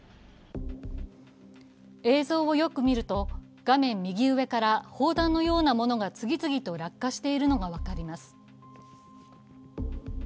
映像をよく見ると、画面右上から砲弾のようなものが次々と落下しているのが分かります。